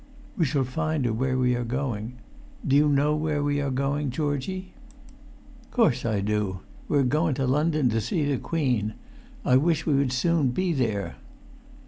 "We shall find her where we are going. Do you know where we are going, Georgie?" "Course I do. We're goin' to London to see the Queen. I wish we would soon be there!"